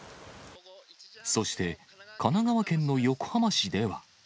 そして、神奈川県の横浜市では。